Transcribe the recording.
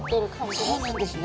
そうなんですね。